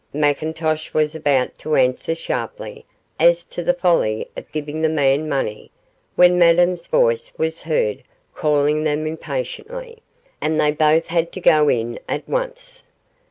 McIntosh was about to answer sharply as to the folly of giving the man money, when Madame's voice was heard calling them impatiently, and they both had to go in at once.